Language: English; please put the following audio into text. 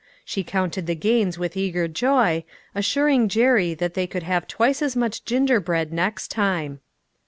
She counted the gains with eager joy, assuring Jerry that they could have twice as much gingerbread next time.